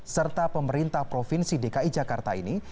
serta pemerintah provinsi dki jakarta ini